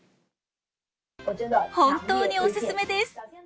本当にお勧めです。